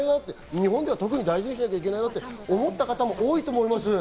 日本では特に大事にしなきゃいけないなって思った方も多いと思います。